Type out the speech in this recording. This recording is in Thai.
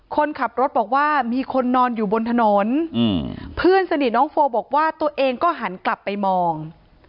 คนขับรถบอกว่ามีคนนอนอยู่บนถนนเพื่อนสนิทน้องโฟบอกว่าตัวเองก็หันกลับไปมอง